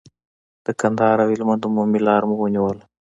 د کندهار او هلمند عمومي لار مو ونیوله.